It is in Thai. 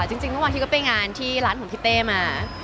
จริงเมื่อวานที่ก็ไปงานที่ร้านของพี่เต้มา